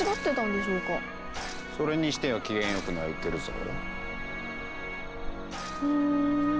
それにしては機嫌よく鳴いてるぞ。